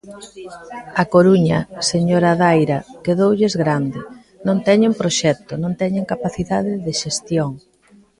A Coruña, señora Daira, quedoulles grande; non teñen proxecto, non teñen capacidade de xestión.